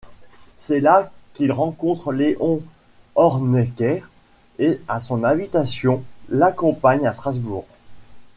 C'est là qu'il rencontre Léon Hornecker, et à son invitation, l'accompagne à Strasbourg.